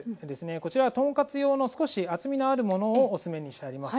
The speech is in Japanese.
こちらは豚カツ用の少し厚みのあるものをおすすめにしてあります。